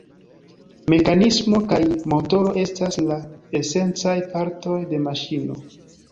Mekanismo kaj motoro estas la esencaj partoj de maŝino.